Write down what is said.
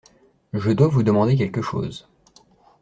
Je dois vous demander quelque chose.